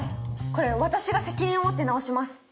これ私が責任を持って直します。